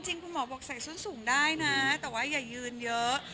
คุณหมอบอกใส่ส้นสูงได้นะแต่ว่าอย่ายืนเยอะ